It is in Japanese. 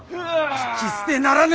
聞き捨てならぬ！